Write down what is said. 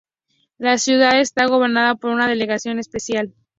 La ciudad está gobernada por una delegación especial.